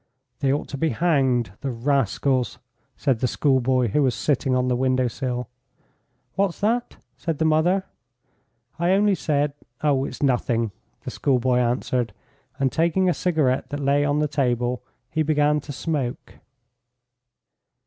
"They ought to be hanged, the rascals!" said the schoolboy who was sitting on the window sill. "What's that?" said the mother. "I only said Oh, it's nothing," the schoolboy answered, and taking a cigarette that lay on the table, he began to smoke.